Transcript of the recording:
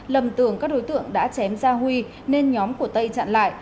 lầm tưởng các đối tượng đã chém gia huy nên nhóm của tây chặn lại